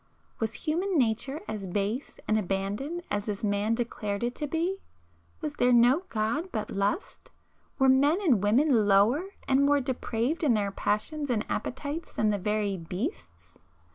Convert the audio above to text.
Was human nature as base and abandoned as this man declared it to be? Was there no God but Lust? Were men and women lower and more depraved in their passions and appetites than the very beasts?